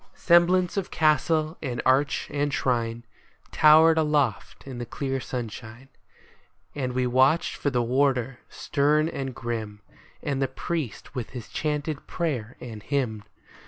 Semblance of castle and arch and shrine Towered aloft in the clear sunshine ; And we watched for the warder, stern and grim, And the priest with his chanted prayer and hymn.